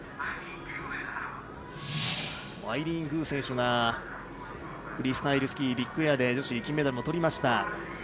アイリーン・グー選手がフリースタイルスキービッグエアで女子金メダルもとりました。